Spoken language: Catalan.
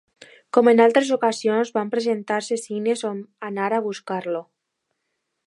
Com en altres ocasions, van presentar-se signes d'on anar a buscar-lo.